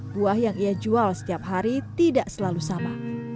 buah yang ia jual setiap hari tidak selalu sama